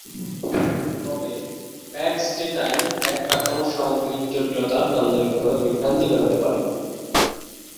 তবে, back stay tie back কাঠামোর সামগ্রিক জটিলতা নান্দনিকভাবে বিভ্রান্তিকর হতে পারে।